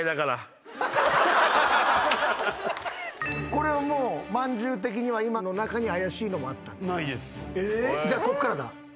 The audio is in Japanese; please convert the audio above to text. これはまんじゅう的には今の中に怪しいのもあった？